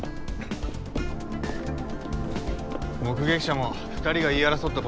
目撃者も２人が言い争った